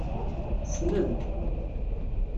Ssnent.